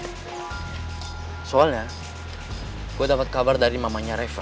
hai soalnya gue dapat kabar dari mamanya reva